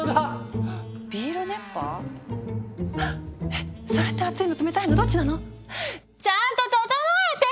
えっそれって熱いの冷たいのどっちなの⁉ちゃんとととのえて！